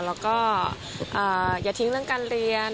แล้วก็อย่าทิ้งเรื่องการเรียน